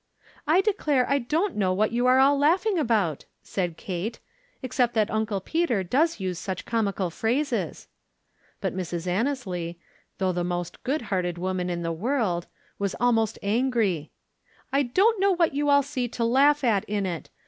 "I declare I don't know what you are all laughing about," said Kate, "except that Uncle Peter does use such comical phrases." But Mrs. Annesley, though the most good hearted woman in the world, was almost angry. "I don't know what you all see to laugh at in it.